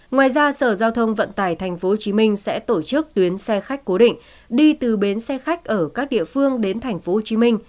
ngoài ra sở giao thông vận tải tp hcm sẽ tổ chức tuyến xe khách cố định đi từ bến xe khách ở các địa phương đến tp hcm